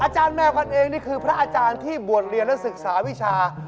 แม่วันเองนี่คือพระอาจารย์ที่บวชเรียนและศึกษาวิชา